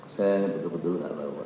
saya betul betul enggak tahu pak